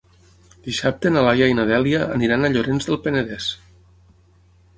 Dissabte na Laia i na Dèlia aniran a Llorenç del Penedès.